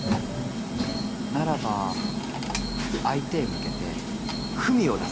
ならば相手へ向けて文を出すのだ。